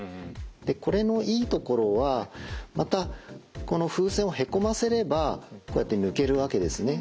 これのいいところはまたこの風船をへこませればこうやって抜けるわけですね。